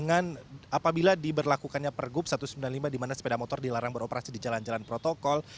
apabila diberlakukannya pergub satu ratus sembilan puluh lima di mana sepeda motor dilarang beroperasi di jalan jalan protokol